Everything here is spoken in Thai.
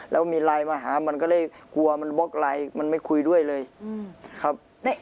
แล้วมีไลน์มาหามันก็เลยกลัวมันบล็อกไลน์มันไม่คุยด้วยเลยครับ